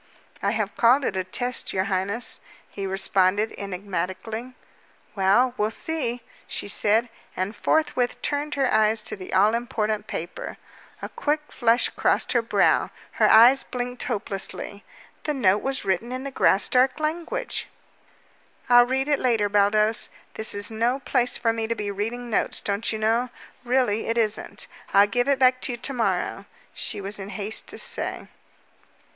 "I have called it a test, your highness," he responded enigmatically. "Well, we'll see," she said, and forthwith turned her eyes to the all important paper. A quick flush crossed her brow; her eyes blinked hopelessly. The note was written in the Graustark language! "I'll read it later, Baldos. This is no place for me to be reading notes, don't you know? Really, it isn't. I'll give it back to you to morrow," she was in haste to say.